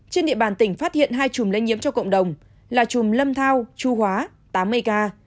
trên địa bàn tỉnh phát hiện hai chùm lây nhiễm cho cộng đồng là chùm lâm thao chu hóa tám mươi k